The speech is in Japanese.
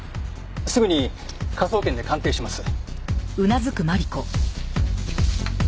すぐに科捜研で鑑定します。